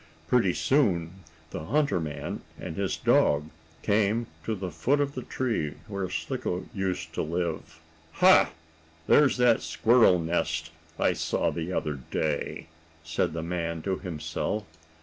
Pretty soon the hunter man and his dog came to the foot of the tree where Slicko used to live. "Ha! There's that squirrel nest I saw the other day," said the man to himself.